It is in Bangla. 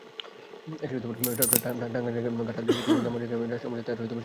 টাঙ্গাইলের ঘাটাইল থানার জামুরিয়া গ্রামে রাষ্ট্রীয় মর্যাদায় তাঁর শেষকৃত্য সম্পন্ন হয়েছে।